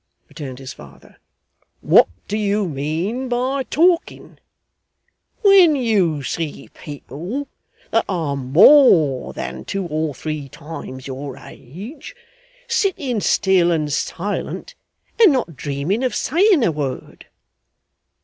returned his father, 'what do you mean by talking, when you see people that are more than two or three times your age, sitting still and silent and not dreaming of saying a word?